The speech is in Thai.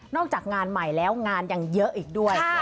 จากงานใหม่แล้วงานยังเยอะอีกด้วย